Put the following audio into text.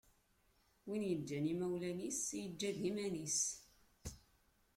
Win yeǧǧan imawlan-is i yeǧǧa d iman-is.